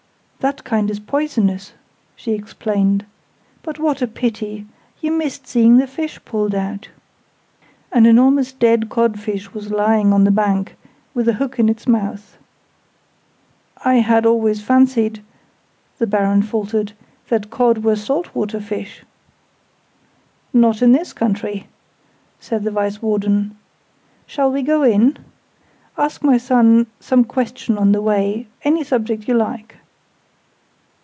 "That kind is poisonous," she explained. "But what a pity! You missed seeing the fish pulled out!" An enormous dead cod fish was lying on the bank, with the hook in its mouth. "I had always fancied," the Baron faltered, "that cod were salt water fish?" "Not in this country," said the Vice Warden. "Shall we go in? Ask my son some question on the way any subject you like!"